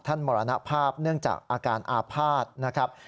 มรณภาพเนื่องจากอาการอาภาษณ์นะครับ